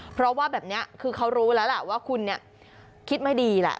เพราะว่าแบบนี้คือเขารู้แล้วล่ะว่าคุณคิดไม่ดีแหละ